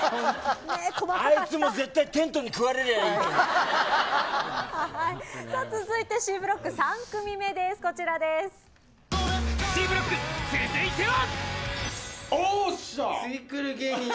あいつも絶対テントに食われればいいのに。続いてＣブロック３組目です、Ｃブロック、続いては。